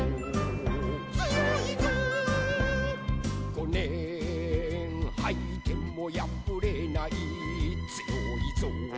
「ごねんはいてもやぶれないつよいぞ」